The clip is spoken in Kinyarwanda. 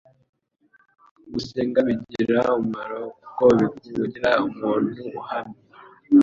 gusenga bigira umumaro kuko bikugira umuntu uhamye